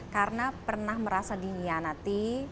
karena pernah merasa dinianat